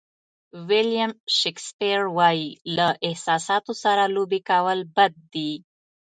ویلیام شکسپیر وایي له احساساتو سره لوبې کول بد دي.